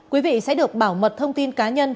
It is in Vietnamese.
quý vị sẽ được bảo mật thông tin cá nhân